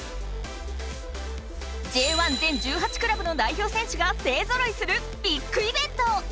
Ｊ１全１８クラブの代表選手が勢ぞろいするビッグイベント！